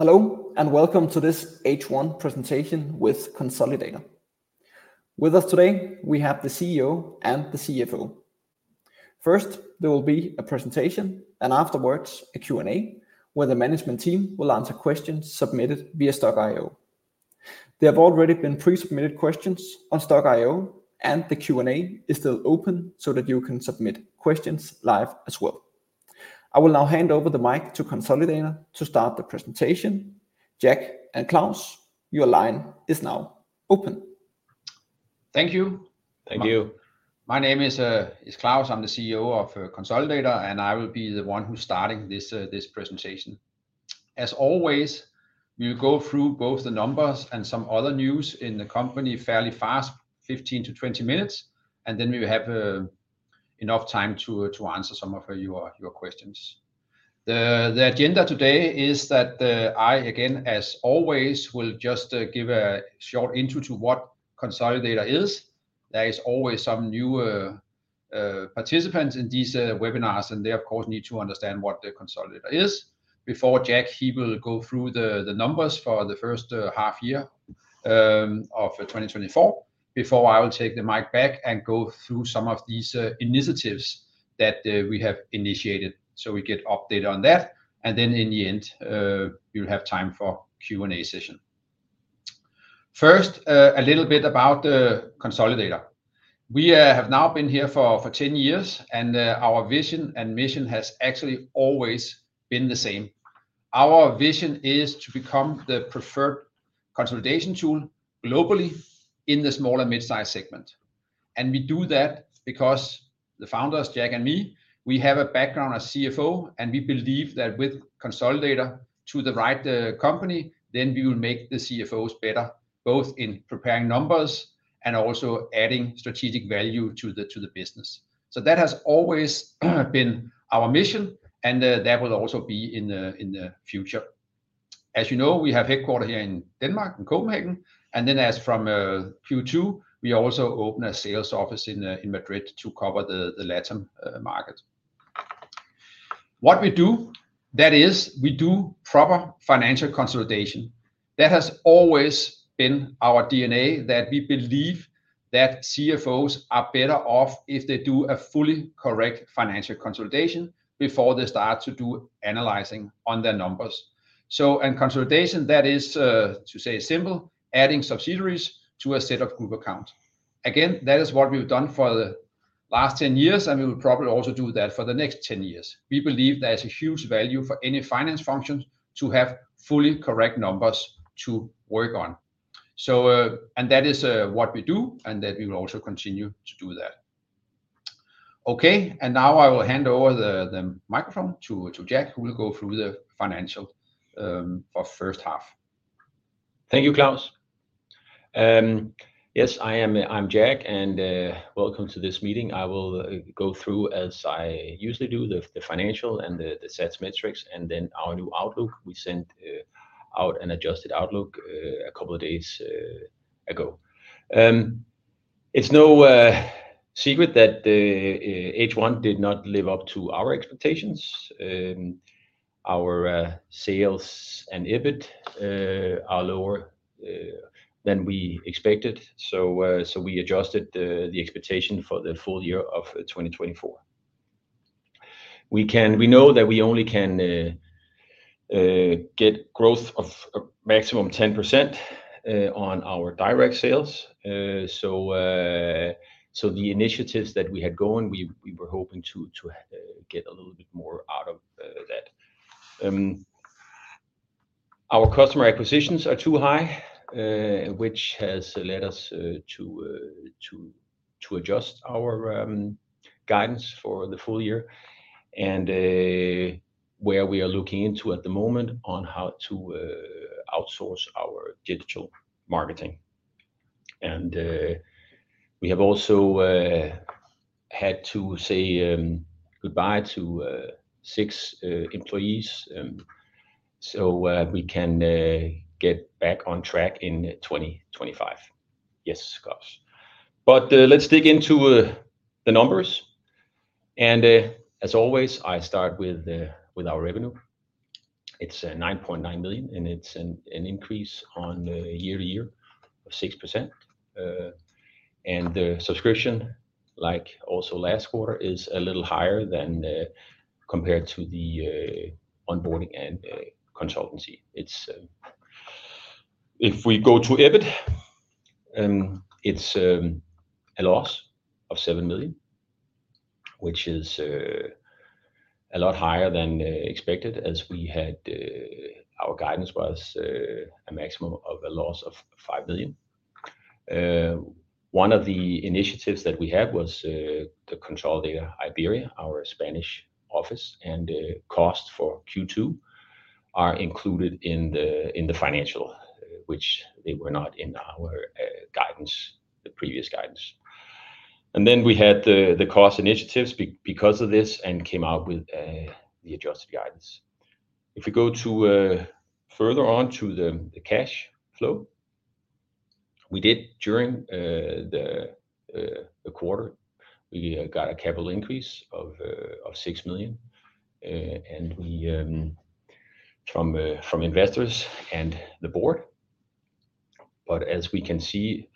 Hello, and welcome to this H1 presentation with Konsolidator. With us today, we have the CEO and the CFO. First, there will be a presentation, and afterwards, a Q&A, where the management team will answer questions submitted via Stokk.io. There have already been pre-submitted questions on Stokk.io, and the Q&A is still open so that you can submit questions live as well. I will now hand over the mic to Konsolidator to start the presentation. Jack and Claus, your line is now open. Thank you. Thank you. My name is Claus. I'm the CEO of Konsolidator, and I will be the one who's starting this presentation. As always, we will go through both the numbers and some other news in the company fairly fast, 15-20 minutes, and then we will have enough time to answer some of your questions. The agenda today is that I, again, as always, will just give a short intro to what Konsolidator is. There is always some new participants in these webinars, and they, of course, need to understand what the Konsolidator is. Before Jack, he will go through the numbers for the first half year of 2024, before I will take the mic back and go through some of these initiatives that we have initiated so we get updated on that. And then in the end, we'll have time for Q&A session. First, a little bit about Konsolidator. We have now been here for 10 years, and our vision and mission has actually always been the same. Our vision is to become the preferred consolidation tool globally in the small and mid-size segment, and we do that because the founders, Jack and me, we have a background as CFO, and we believe that with Konsolidator to the right company, then we will make the CFOs better, both in preparing numbers and also adding strategic value to the business. So that has always been our mission, and that will also be in the future. As you know, we have headquarters here in Denmark, in Copenhagen, and then as from Q2, we also opened a sales office in Madrid to cover the Latin market. What we do, that is, we do proper financial consolidation. That has always been our DNA, that we believe that CFOs are better off if they do a fully correct financial consolidation before they start to do analyzing on their numbers. So, and consolidation, that is, to say simply, adding subsidiaries to a set of group account. Again, that is what we've done for the last ten years, and we will probably also do that for the next ten years. We believe there's a huge value for any finance function to have fully correct numbers to work on. So, and that is what we do, and that we will also continue to do that. Okay, and now I will hand over the microphone to Jack, who will go through the financial for first half. Thank you, Claus. Yes, I am, I'm Jack, and welcome to this meeting. I will go through, as I usually do, the financial and the sales metrics, and then our new outlook. We sent out an adjusted outlook a couple of days ago. It's no secret that the H1 did not live up to our expectations. Our sales and EBIT are lower than we expected, so we adjusted the expectation for the full year of 2024. We know that we only can get growth of a maximum 10% on our direct sales. So the initiatives that we had going, we were hoping to get a little bit more out of that. Our customer acquisitions are too high, which has led us to adjust our guidance for the full year, and where we are looking into at the moment on how to outsource our digital marketing, and we have also had to say goodbye to six employees, so we can get back on track in 2025. Yes, Claus, but let's dig into the numbers, and as always, I start with our revenue. It's 9.9 million, and it's an increase on year to year of 6%. And the subscription, like also last quarter, is a little higher than compared to the onboarding and consultancy. If we go to EBIT, it's a loss of 7 million, which is a lot higher than expected, as we had our guidance was a maximum of a loss of 5 million. One of the initiatives that we had was Konsolidator Iberia, our Spanish office, and the cost for Q2 are included in the financial, which they were not in our guidance, the previous guidance, and then we had the cost initiatives because of this and came out with the adjusted guidance. If we go to further on to the cash flow. We did during the quarter, we got a capital increase of 6 million, and we from investors and the board. But as we can see,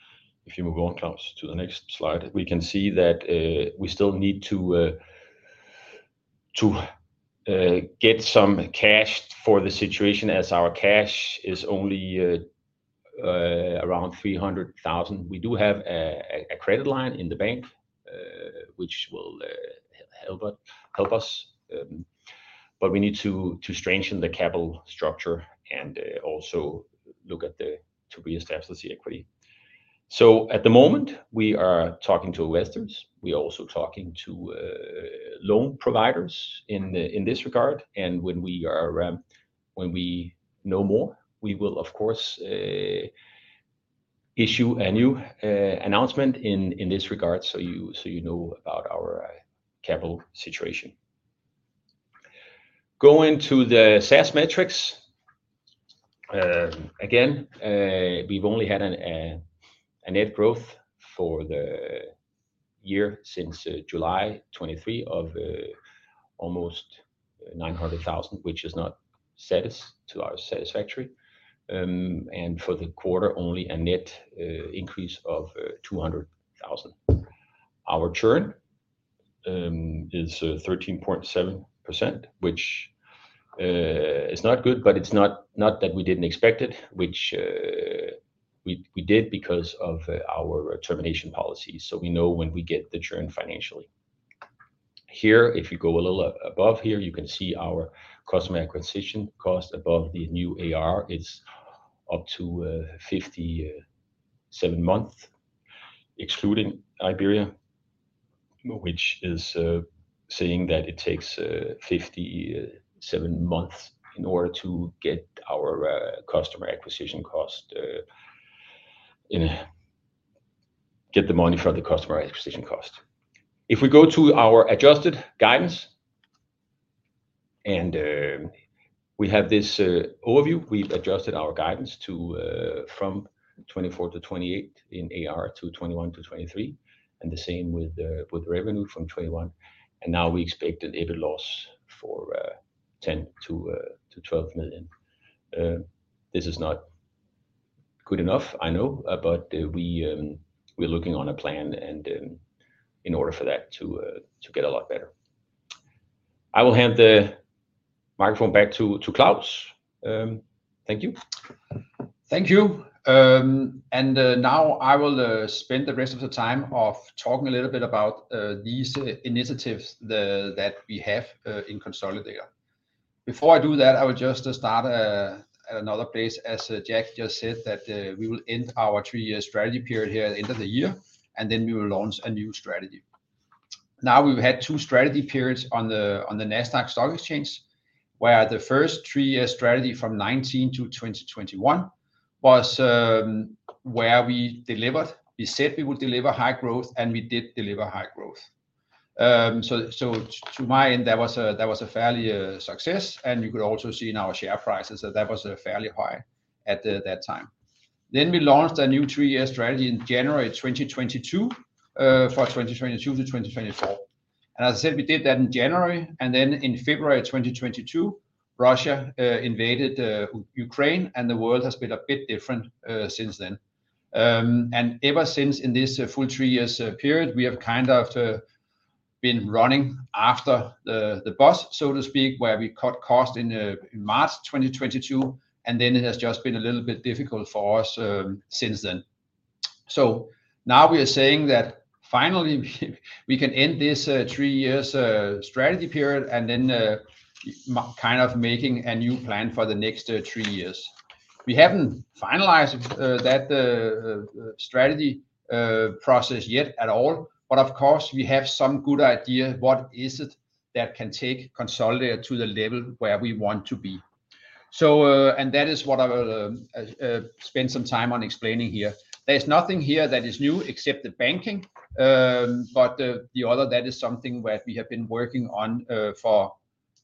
if you move on, Claus, to the next slide, we can see that we still need to get some cash for the situation, as our cash is only around 300,000. We do have a credit line in the bank, which will help us, but we need to strengthen the capital structure and also look to reestablish the equity. So at the moment, we are talking to investors. We are also talking to loan providers in this regard. And when we know more, we will of course issue a new announcement in this regard, so you know about our capital situation. Going to the SaaS metrics. Again, we've only had a net growth for the year since July 2023 of almost 900,000, which is not satisfactory. And for the quarter, only a net increase of 200,000. Our churn is 13.7%, which is not good, but it's not that we didn't expect it, which we did because of our termination policy. So, we know when we get the churn financially. Here, if you go a little above here, you can see our customer acquisition cost above the new AR. It's up to 57 months, excluding Iberia, which is saying that it takes 57 months in order to get our customer acquisition cost in, get the money from the customer acquisition cost. If we go to our adjusted guidance, and we have this overview, we've adjusted our guidance to from 24-28 in AR to 21-23, and the same with revenue from 21, and now we expect an EBIT loss of 10 million-12 million. This is not good enough, I know, but we, we're looking on a plan and in order for that to get a lot better. I will hand the microphone back to Claus. Thank you. Thank you, and now I will spend the rest of the time talking a little bit about these initiatives that we have in Konsolidator. Before I do that, I will just start at another place, as Jack just said, that we will end our three-year strategy period here at the end of the year, and then we will launch a new strategy. Now, we've had two strategy periods on the Nasdaq Stock Exchange, where the first three-year strategy from 2019 to 2021 was where we delivered. We said we would deliver high growth, and we did deliver high growth, so to my end, that was a fairly success, and you could also see in our share prices that that was fairly high at that time. Then we launched a new three-year strategy in January 2022 for 2022 to 2024. And as I said, we did that in January, and then in February of 2022, Russia invaded Ukraine, and the world has been a bit different since then. Ever since in this full three years period, we have kind of been running after the bus, so to speak, where we cut costs in March 2022, and then it has just been a little bit difficult for us since then. So now we are saying that finally, we can end this three years strategy period and then kind of making a new plan for the next three years. We haven't finalized that strategy process yet at all, but of course, we have some good idea what is it that can take Konsolidator to the level where we want to be, and that is what I will spend some time on explaining here. There's nothing here that is new except the banking, but the other, that is something where we have been working on for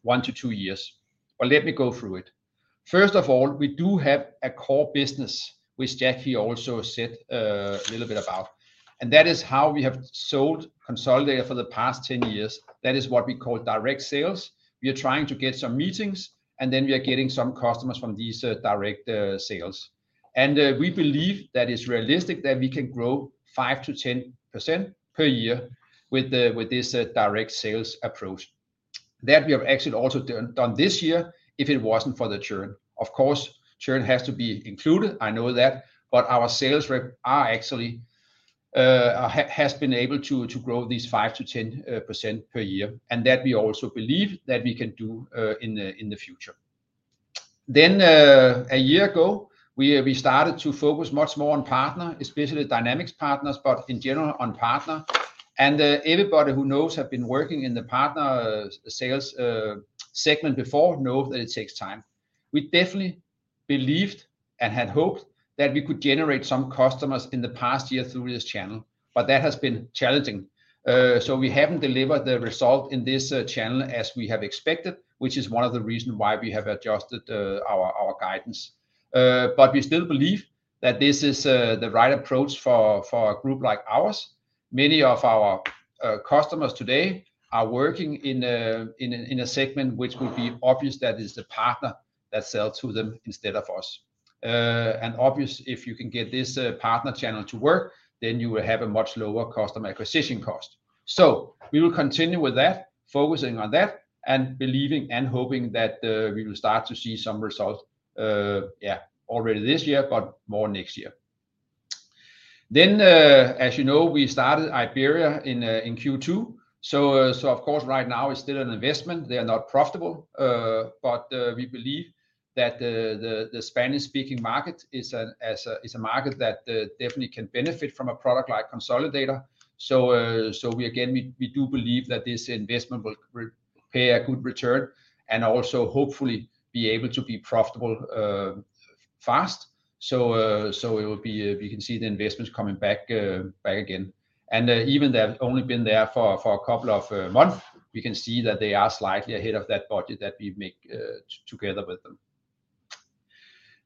one to two years, but let me go through it. First of all, we do have a core business, which Jack also said a little bit about, and that is how we have sold Konsolidator for the past 10 years. That is what we call direct sales. We are trying to get some meetings, and then we are getting some customers from these direct sales. We believe that it's realistic that we can grow 5%-10% per year with this direct sales approach. That we have actually also done this year if it wasn't for the churn. Of course, churn has to be included, I know that, but our sales rep are actually has been able to grow these 5%-10% per year, and that we also believe that we can do in the future. A year ago, we started to focus much more on partner, especially Dynamics partners, but in general on partner and everybody who knows have been working in the partner sales segment before know that it takes time. We definitely believed and had hoped that we could generate some customers in the past year through this channel, but that has been challenging, so we haven't delivered the result in this channel as we have expected, which is one of the reasons why we have adjusted our guidance, but we still believe that this is the right approach for a group like ours. Many of our customers today are working in a segment which will be obvious that is the partner that sells to them instead of us, and obviously, if you can get this partner channel to work, then you will have a much lower customer acquisition cost. So we will continue with that, focusing on that, and believing and hoping that we will start to see some results, yeah, already this year, but more next year. Then, as you know, we started Iberia in Q2. So, of course, right now it's still an investment. They are not profitable, but we believe that the Spanish-speaking market is a market that definitely can benefit from a product like Konsolidator. So, we again do believe that this investment will repay a good return and also hopefully be able to be profitable fast. So, we can see the investments coming back again. Even they have only been there for a couple of months, we can see that they are slightly ahead of that budget that we make together with them.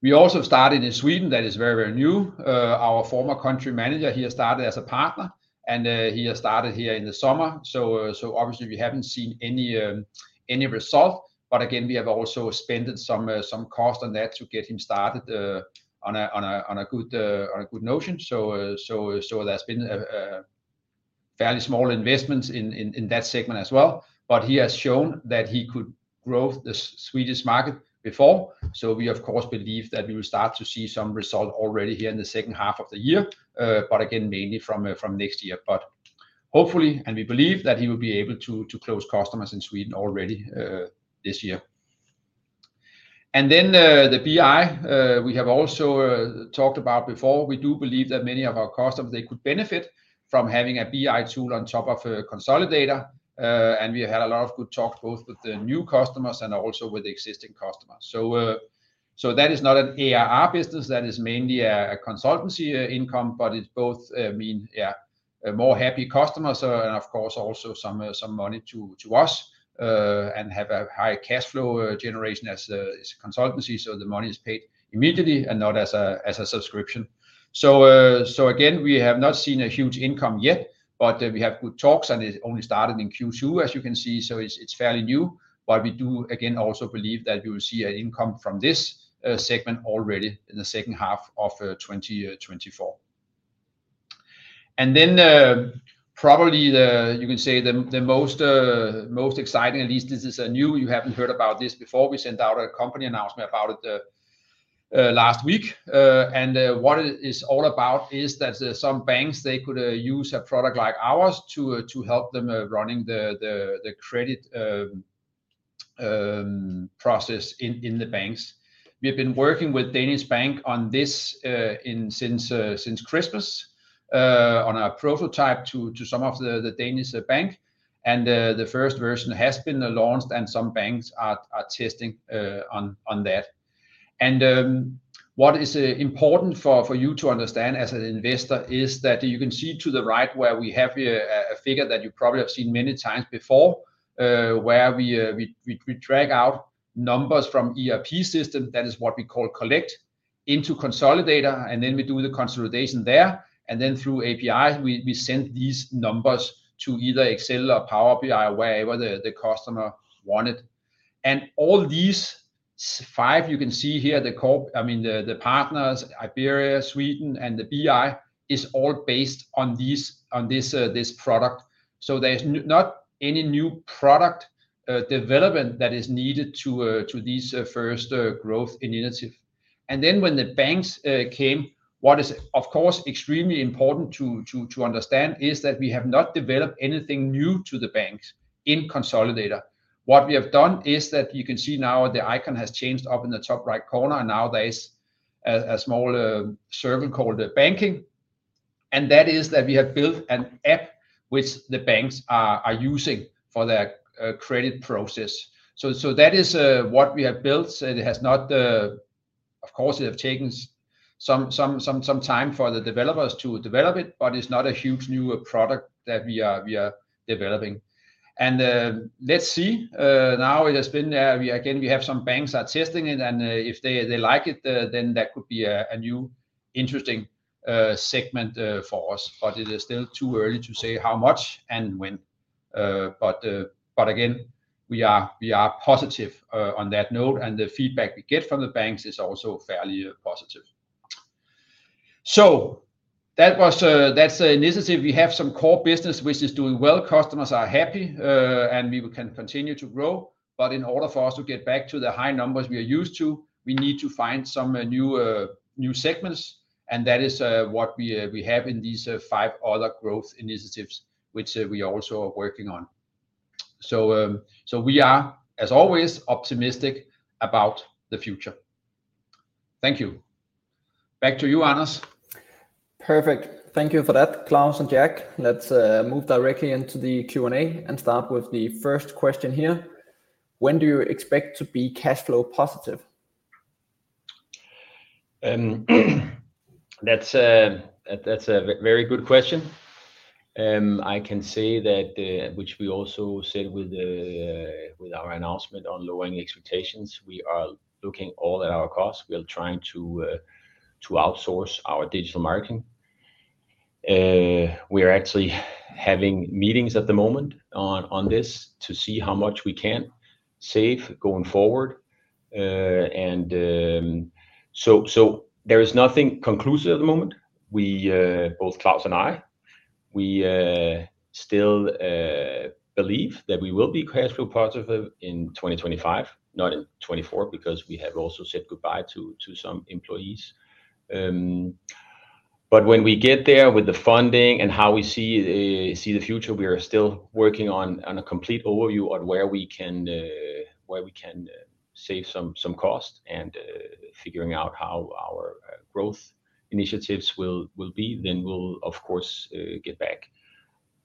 We also started in Sweden. That is very, very new. Our former country manager, he has started as a partner, and he has started here in the summer. Obviously, we haven't seen any result. Again, we have also spent some cost on that to get him started on a good notion. There's been a fairly small investment in that segment as well. He has shown that he could grow the Swedish market before. So we, of course, believe that we will start to see some result already here in the second half of the year, but again, mainly from next year. But hopefully, and we believe that he will be able to close customers in Sweden already this year. And then, the BI we have also talked about before. We do believe that many of our customers, they could benefit from having a BI tool on top of Konsolidator. And we had a lot of good talks both with the new customers and also with the existing customers. That is not an ARR business. That is mainly a consultancy income, but it's both. I mean, yeah, more happy customers, and of course, also some money to us, and have a higher cash flow generation as consultancy, so the money is paid immediately and not as a subscription. Again, we have not seen a huge income yet, but we have good talks, and it only started in Q2, as you can see, so it's fairly new. But we do again also believe that we will see an income from this segment already in the second half of 2024. And then, probably the you can say the most exciting, at least this is a new. You haven't heard about this before. We sent out a company announcement about it last week, and what it is all about is that there are some banks, they could use a product like ours to help them running the credit process in the banks. We have been working with Danish bank on this since Christmas on a prototype to some of the Danish bank, and the first version has been launched, and some banks are testing on that. What is important for you to understand as an investor is that you can see to the right where we have here a figure that you probably have seen many times before, where we drag out numbers from ERP system, that is what we call collect, into Konsolidator, and then we do the consolidation there, and then through APIs, we send these numbers to either Excel or Power BI, wherever the customer want it. All these five you can see here, the core, I mean, the partners, Iberia, Sweden, and the BI, is all based on this product. There's not any new product development that is needed to this first growth initiative. And then when the banks came, what is, of course, extremely important to understand is that we have not developed anything new to the banks in Konsolidator. What we have done is that you can see now the icon has changed up in the top right corner, and now there is a small circle called banking, and that is that we have built an app which the banks are using for their credit process. So that is what we have built, and it has not. Of course, it have taken some time for the developers to develop it, but it's not a huge new product that we are developing. Let's see. Now it has been again. We have some banks are testing it, and if they like it, then that could be a new interesting segment for us. It is still too early to say how much and when. We are positive on that note, and the feedback we get from the banks is also fairly positive. That's an initiative. We have some core business which is doing well. Customers are happy, and we can continue to grow. But in order for us to get back to the high numbers we are used to, we need to find some new segments, and that is what we have in these five other growth initiatives, which we also are working on. So, we are, as always, optimistic about the future. Thank you. Back to you, Anders. Perfect. Thank you for that, Claus and Jack. Let's move directly into the Q&A and start with the first question here. When do you expect to be cash flow positive? That's a very good question. I can say that, which we also said with our announcement on lowering expectations, we are looking all at our costs. We are trying to outsource our digital marketing. We are actually having meetings at the moment on this to see how much we can save going forward. And so there is nothing conclusive at the moment. We, both Claus and I, still believe that we will be cash flow positive in 2025, not in 2024, because we have also said goodbye to some employees. But when we get there with the funding and how we see the future, we are still working on a complete overview on where we can save some cost and figuring out how our growth initiatives will be, then we'll of course get back.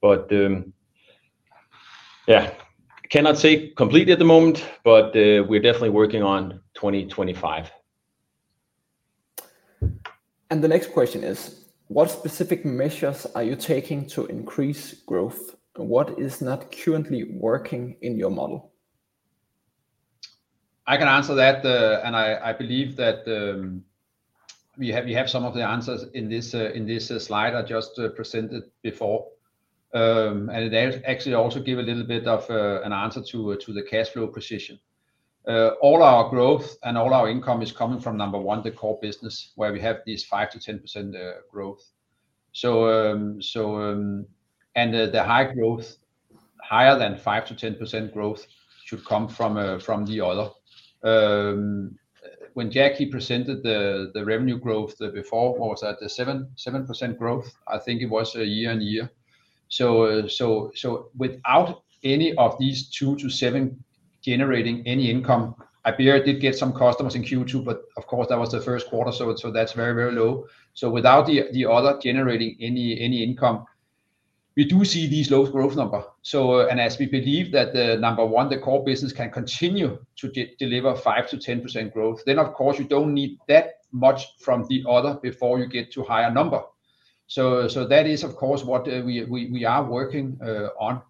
But yeah, cannot say completely at the moment, but we're definitely working on 2025. The next question is, what specific measures are you taking to increase growth? What is not currently working in your model? I can answer that, and I believe that we have some of the answers in this slide I just presented before. And it actually also give a little bit of an answer to the cash flow position. All our growth and all our income is coming from number one, the core business, where we have this 5%-10% growth. So, and the high growth, higher than 5%-10% growth should come from the other. When Jack presented the revenue growth, the before, what was that? The 7% growth, I think it was year on year. So without any of these two to seven generating any income, Iberia did get some customers in Q2, but of course, that was the first quarter, so that's very low. So without the other generating any income, we do see these low growth number. So and as we believe that the number one, the core business, can continue to deliver 5%-10% growth, then of course, you don't need that much from the other before you get to higher number. So that is, of course, what we are working on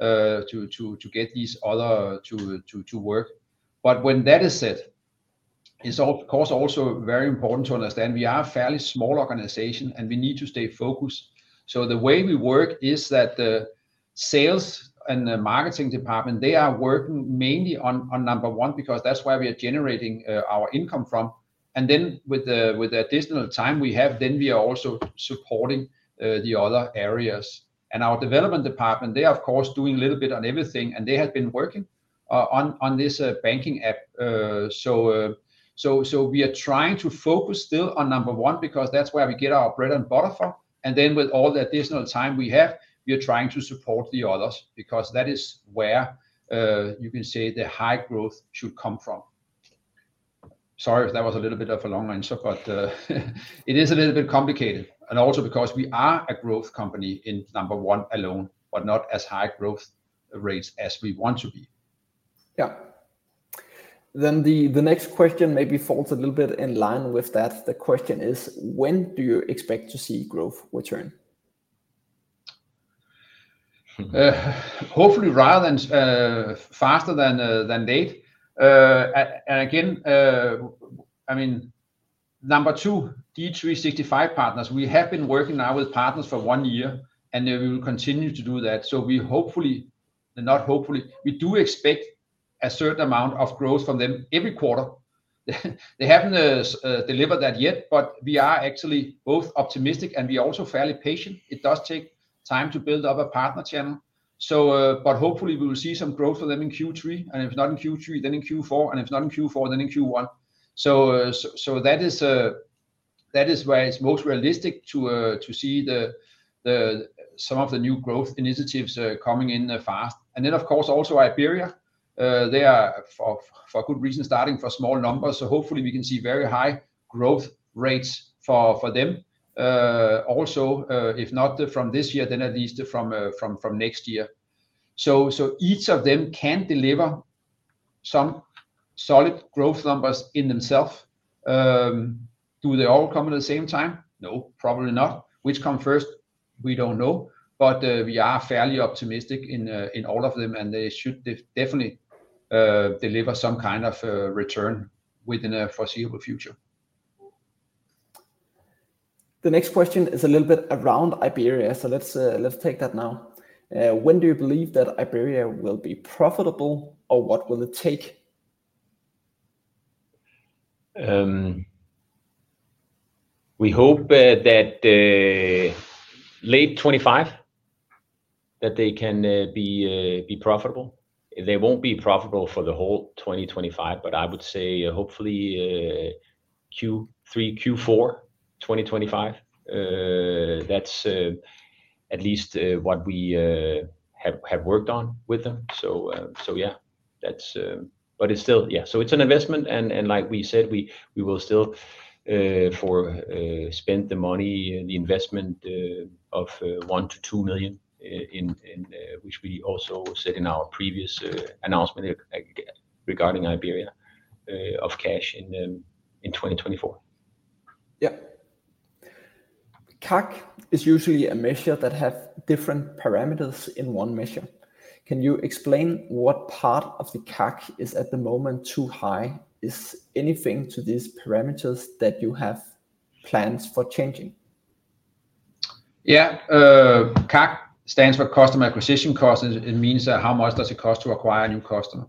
to get these other to work. But when that is said, it's of course, also very important to understand we are a fairly small organization, and we need to stay focused. The way we work is that the sales and the marketing department, they are working mainly on number one, because that's where we are generating our income from. With the additional time we have, we are also supporting the other areas. Our development department, they are of course doing a little bit on everything, and they have been working on this banking app. We are trying to focus still on number one, because that's where we get our bread and butter from, and then with all the additional time we have, we are trying to support the others, because that is where you can say the high growth should come from. Sorry if that was a little bit of a long answer, but it is a little bit complicated, and also because we are a growth company in number one alone, but not as high growth rates as we want to be. Yeah. Then the next question maybe falls a little bit in line with that. The question is, when do you expect to see growth return? Hopefully rather, faster than late. Again, I mean, number two, D365 partners, we have been working now with partners for one year, and we will continue to do that. So we hopefully, not hopefully, we do expect a certain amount of growth from them every quarter. They haven't delivered that yet, but we are actually both optimistic, and we are also fairly patient. It does take time to build up a partner channel, so, but hopefully we will see some growth for them in Q3, and if not in Q3, then in Q4, and if not in Q4, then in Q1. So that is where it's most realistic to see some of the new growth initiatives coming in fast. And then, of course, also Iberia, they are for a good reason, starting from small numbers, so hopefully we can see very high growth rates for them, also, if not from this year, then at least from next year, so each of them can deliver some solid growth numbers in themselves. Do they all come at the same time? No, probably not. Which come first? We don't know, but we are fairly optimistic in all of them, and they should definitely deliver some kind of return within a foreseeable future. The next question is a little bit around Iberia, so let's take that now. When do you believe that Iberia will be profitable, or what will it take? We hope that late 2025 they can be profitable. They won't be profitable for the whole 2025, but I would say hopefully Q3, Q4 2025. That's at least what we have worked on with them. Yeah, that's, but it's still yeah, so it's an investment, and like we said, we will still spend the money and the investment of 1 million-2 million in which we also said in our previous announcement regarding Iberia of cash in 2024. Yeah. CAC is usually a measure that have different parameters in one measure. Can you explain what part of the CAC is at the moment too high? Is anything to these parameters that you have plans for changing? Yeah, CAC stands for customer acquisition cost, and it means that how much does it cost to acquire a new customer.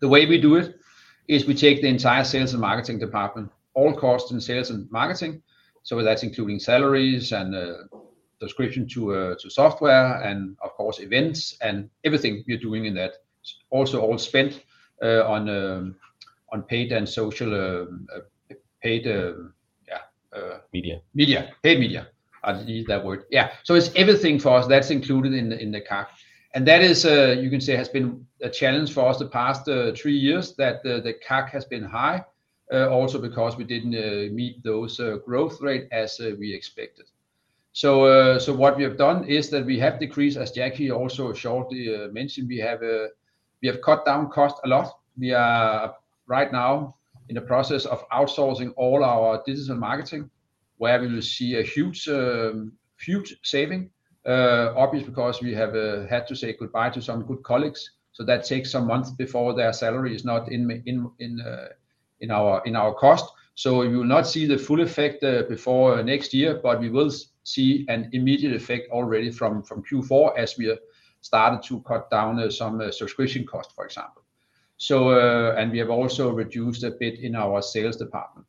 The way we do it is we take the entire sales and marketing department, all costs in sales and marketing, so that's including salaries and subscription to software and of course events and everything we are doing in that. Also, all spent on paid and social, yeah. Media. Media. Paid media, I need that word. Yeah, so it's everything for us that's included in the CAC. And that is, you can say, has been a challenge for us the past three years, that the CAC has been high, also because we didn't meet those growth rate as we expected. So, what we have done is that we have decreased, as Jack also shortly mentioned, we have cut down cost a lot. We are right now in the process of outsourcing all our digital marketing, where we will see a huge saving, obviously, because we have had to say goodbye to some good colleagues, so that takes some months before their salary is not in our cost. You will not see the full effect before next year, but we will see an immediate effect already from Q4 as we have started to cut down some subscription cost, for example. We have also reduced a bit in our sales department.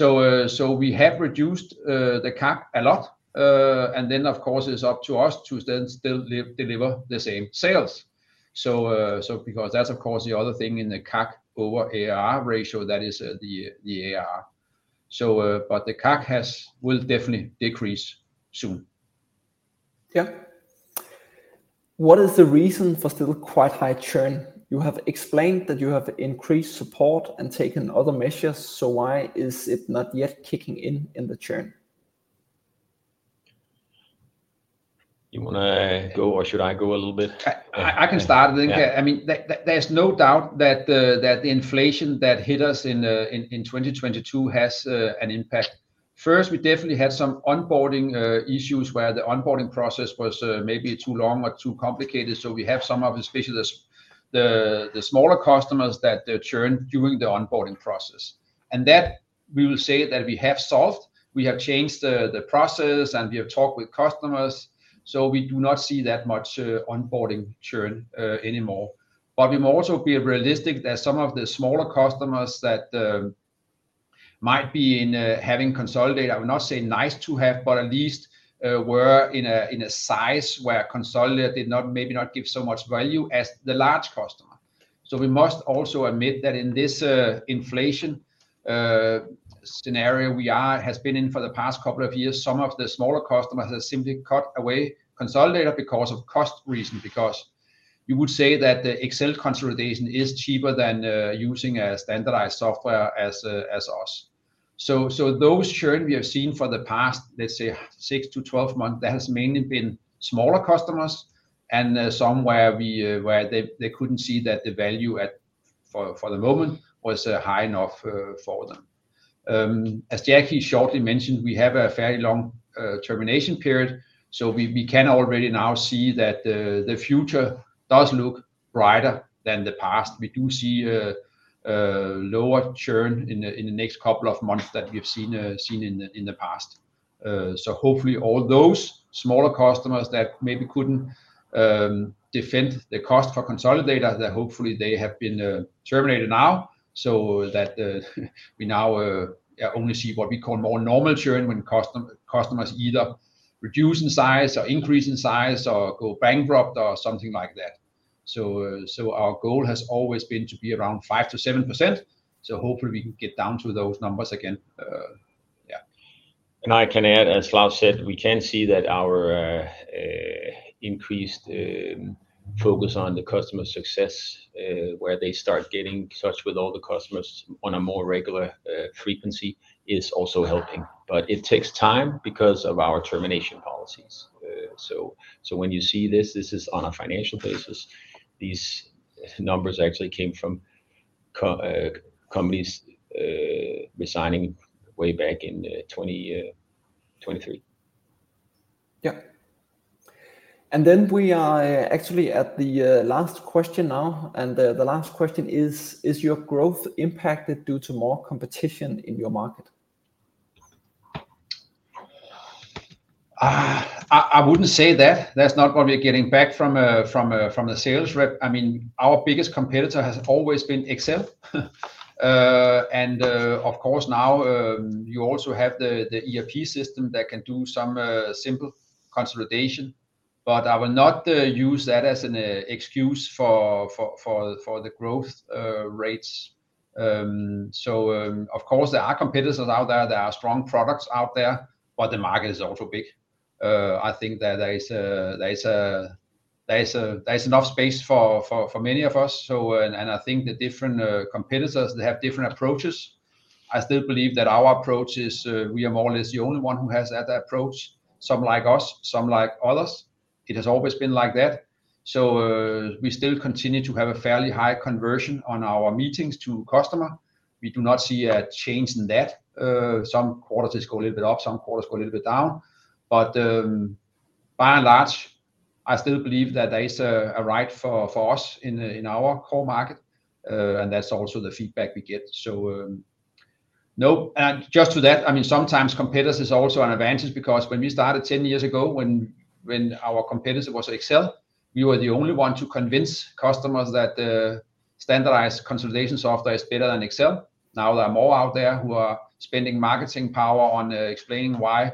We have reduced the CAC a lot. Then of course, it's up to us to then still deliver the same sales. Because that's of course the other thing in the CAC over AR ratio, that is, the AR. The CAC will definitely decrease soon. Yeah. What is the reason for still quite high churn? You have explained that you have increased support and taken other measures, so why is it not yet kicking in in the churn? You wanna go or should I go a little bit? I can start it. Yeah. I mean, there's no doubt that the inflation that hit us in 2022 has an impact. First, we definitely had some onboarding issues where the onboarding process was maybe too long or too complicated. So we have some of, especially the smaller customers that they churn during the onboarding process. And that we will say that we have solved, we have changed the process, and we have talked with customers, so we do not see that much onboarding churn anymore. But we must also be realistic that some of the smaller customers that might be in having consolidated, I would not say nice to have, but at least were in a size where Konsolidator did not, maybe not give so much value as the large customer. We must also admit that in this inflation scenario we have been in for the past couple of years, some of the smaller customers have simply cut away Konsolidator because of cost reason, because you would say that the Excel consolidation is cheaper than using a standardized software as us. So those churn we have seen for the past, let's say, six to 12 months, that has mainly been smaller customers and some where they couldn't see that the value for the moment was high enough for them. As Jack shortly mentioned, we have a fairly long termination period, so we can already now see that the future does look brighter than the past. We do see lower churn in the next couple of months that we've seen in the past, so hopefully all those smaller customers that maybe couldn't defend the cost for Konsolidator, that hopefully they have been terminated now, so that we now only see what we call more normal churn when customers either reduce in size or increase in size or go bankrupt or something like that, so our goal has always been to be around 5%-7%, so hopefully we can get down to those numbers again, yeah. I can add, as Claus said, we can see that our increased focus on the customer success, where they start getting in touch with all the customers on a more regular frequency, is also helping. But it takes time because of our termination policies. So when you see this, this is on a financial basis. These numbers actually came from companies resigning way back in 2023. Yeah. And then we are actually at the last question now, and the last question is, is your growth impacted due to more competition in your market? I wouldn't say that. That's not what we are getting back from the sales rep. I mean, our biggest competitor has always been Excel. And of course, now, you also have the ERP system that can do some simple consolidation, but I will not use that as an excuse for the growth rates. So, of course, there are competitors out there, there are strong products out there, but the market is also big. I think that there is enough space for many of us. So, and I think the different competitors, they have different approaches. I still believe that our approach is, we are more or less the only one who has had that approach. Some like us, some like others. It has always been like that. We still continue to have a fairly high conversion on our meetings to customer. We do not see a change in that. Some quarters just go a little bit up, some quarters go a little bit down. But by and large, I still believe that there is a right for us in our core market, and that's also the feedback we get. So, nope. And just to that, I mean, sometimes competitors is also an advantage because when we started ten years ago, when our competitor was Excel, we were the only one to convince customers that standardized consolidation software is better than Excel. Now, there are more out there who are spending marketing power on explaining why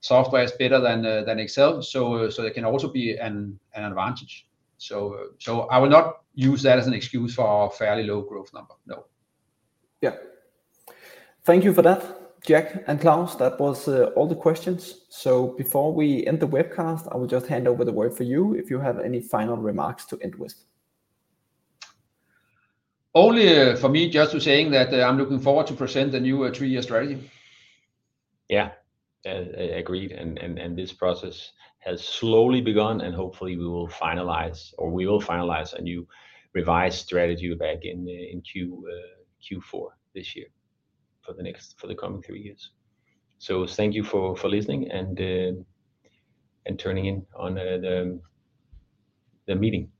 software is better than Excel, so there can also be an advantage. So, I will not use that as an excuse for our fairly low growth number. No. Yeah. Thank you for that, Jack and Claus. That was all the questions. So before we end the webcast, I will just hand over the word for you if you have any final remarks to end with. Only, for me, just saying that I'm looking forward to present the new three-year strategy. Yeah, agreed, and this process has slowly begun, and hopefully, we will finalize a new revised strategy back in Q4 this year for the coming three years, so thank you for listening and tuning in on the meeting.